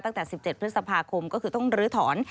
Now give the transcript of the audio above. ตั้งแต่๑๗พฤษภาคมก็คือต้องลื้อถอน